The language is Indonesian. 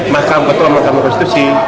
mahkamah ketua mahkamah konstitusi